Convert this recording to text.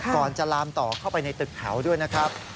ก่อนจะลามต่อเข้าไปในตึกแถวด้วยนะครับ